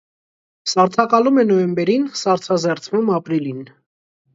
Սառցակալում է նոյեմբերին, սառցազերծվում՝ ապրիլին։